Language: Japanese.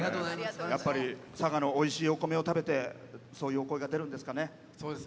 佐賀のおいしいお米を食べてそういうお声が出るんですかね。